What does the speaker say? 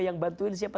yang bantuin siapa